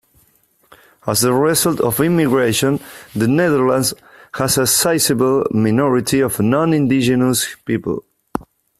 As the result of immigration, the Netherlands has a sizeable minority of non-indigenous peoples.